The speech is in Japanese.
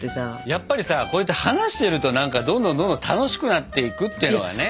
やっぱりさこうやって話してると何かどんどんどんどん楽しくなっていくっていうのがね。